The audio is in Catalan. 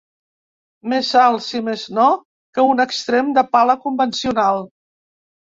Més alt, si més no, que un extrem de pala convencional.